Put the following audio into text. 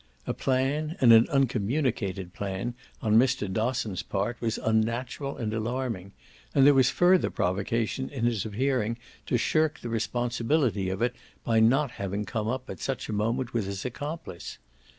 A plan, and an uncommunicated plan, on Mr. Dosson's part was unnatural and alarming; and there was further provocation in his appearing to shirk the responsibility of it by not having come up at such a moment with his accomplice.